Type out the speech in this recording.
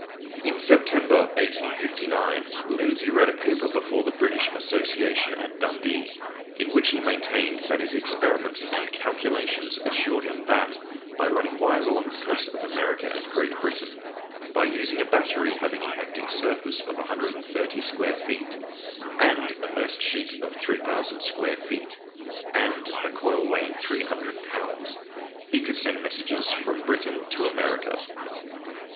In September, 1859, Lindsay read a paper before the British Association at Dundee, in which he maintained that his experiments and calculations assured him that by running wires along the coasts of America and Great Britain, by using a battery having an acting surface of 130 square feet and immersed sheets of 3000 square feet, and a coil weighing 300 lbs., he could send messages from Britain to America.